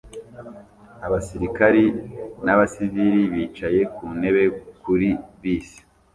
abasirikari n'abasivili bicaye ku ntebe kuri bisi